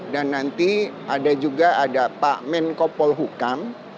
dan nanti ada juga pak menko polhukam